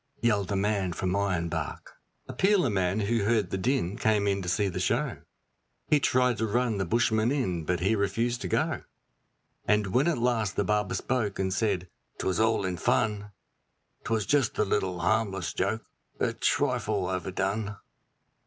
yelled the man from Ironbark. A peeler man who heard the din came in to see the show; He tried to run the bushman in, but he refused to go. And when at last the barber spoke, and said, ''Twas all in fun 'Twas just a little harmless joke, a trifle overdone.'